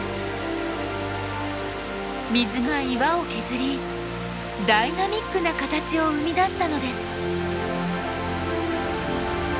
水が岩を削りダイナミックな形を生み出したのです。